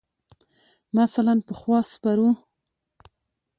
مثلاً پخوا سپر ؤ.